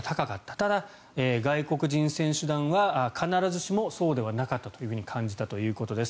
ただ、外国人選手団は必ずしもそうではなかったと感じたということです。